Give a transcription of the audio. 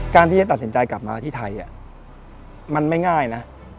การที่จะตัดสินใจกลับมาที่ไทยมันไม่ง่ายนะ